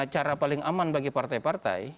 cara paling aman bagi partai partai